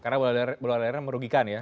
karena bola liarnya merugikan ya